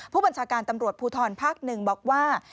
ผู้บัญชาการตำรวจภูทรภาค๑บอกว่า